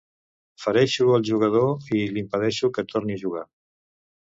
Fereixo el jugador i l'impedeixo que torni a jugar.